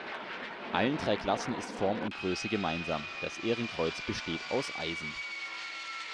Allen drei Klassen ist Form und Größe gemeinsam: Das Ehrenkreuz besteht aus Eisen.